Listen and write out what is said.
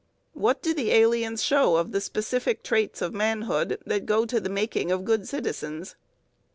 What do the aliens show of the specific traits of manhood that go to the making of good citizens?